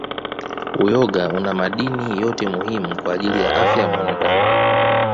Uyoga una madini yote muhimu kwa ajili ya afya ya mwanadamu